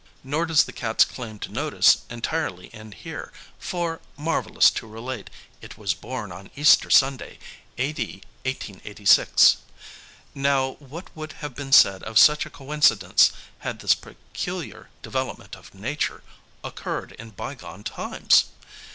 Nor does the cat's claim to notice entirely end here, for, marvellous to relate, it was born on Easter Sunday, A.D. 1886. Now, what would have been said of such a coincidence had this peculiar development of Nature occurred in bygone times?